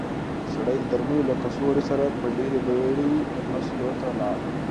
سړی د درملو له کڅوړې سره په ډېرې بیړې د بس لور ته لاړ.